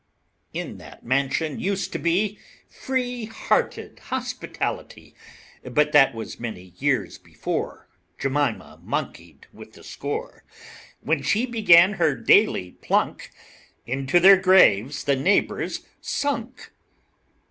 In that mansion used to be Free hearted hospitality; But that was many years before Jemima monkeyed with the score. When she began her daily plunk, Into their graves the neighbors sunk.